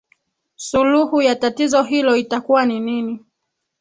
suluhu ya tatizo hilo itakuwa ni nini